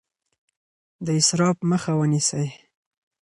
د اسراف مخه ونیسئ.